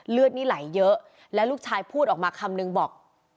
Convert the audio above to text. เลือดนี่ไหลเยอะแล้วลูกชายพูดออกมาคำนึงบอก